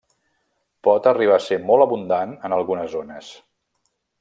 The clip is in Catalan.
Pot arribar a ser molt abundant en algunes zones.